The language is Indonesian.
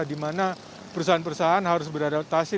di mana perusahaan perusahaan harus beradaptasi